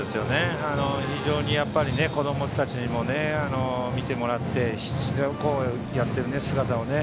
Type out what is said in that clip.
非常に子どもたちにも見てもらって必死でやっている姿をね。